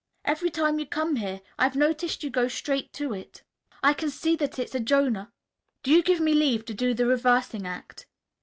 Every time you come here, I've noticed you go straight to it. I can see that it's a Jonah. Do you give me leave to do the reversing act?"